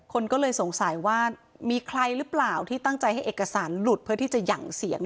คนก็เลยสงสัยว่ามีใครหรือเปล่าที่ตั้งใจให้เอกสารหลุดเพื่อที่จะหยั่งเสียง